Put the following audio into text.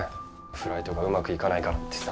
フライトがうまくいかないからってさ。